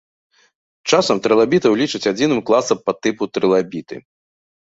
Часам трылабітаў лічаць адзіным класам падтыпу трылабіты.